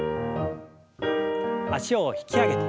脚を引き上げて。